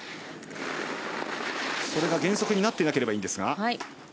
それが減速になっていなければいいんですが。